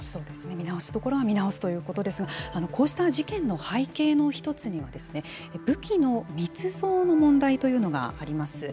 見直すところは見直すということですがこうした事件の背景の一つには武器の密造の問題というのがあります。